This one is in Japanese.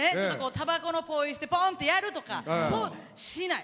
タバコのポイ捨てポンってやるとかしない。